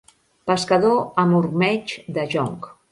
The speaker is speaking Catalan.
Pescador amb ormeigs de jonc.